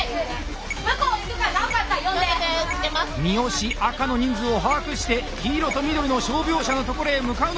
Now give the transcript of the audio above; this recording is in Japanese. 三好赤の人数を把握して黄色と緑の傷病者の所へ向かうのか？